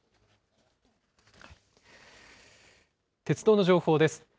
鉄道の情報です。